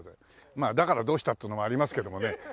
まあ「だからどうした？」っていうのもありますけどもね。